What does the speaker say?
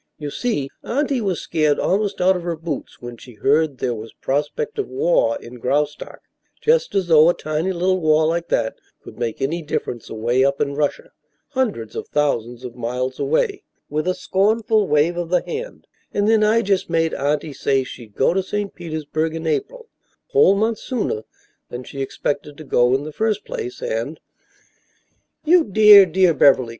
You see, Auntie was scared almost out of her boots when she heard there was prospect of war in Graustark, just as though a tiny little war like that could make any difference away up in Russia hundreds of thousands of miles away " (with a scornful wave of the hand) "and then I just made Auntie say she'd go to St. Petersburg in April a whole month sooner than she expected to go in the first place and " "You dear, dear Beverly!"